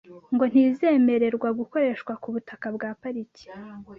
ngo ntizemererwa gukoreshwa ku butaka bwa Pariki